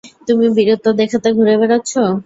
তুমি বীরত্ব দেখাতে ঘুরে বেড়াচ্ছ?